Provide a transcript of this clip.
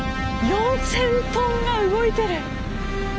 ４，０００ｔが動いてる。